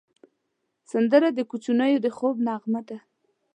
سندره د کوچنیو د خوب نغمه ده